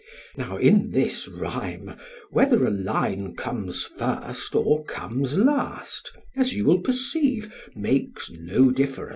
Now in this rhyme whether a line comes first or comes last, as you will perceive, makes no difference.